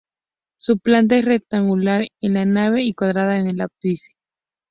Su planta es rectangular en la nave y cuadrada en el ábside.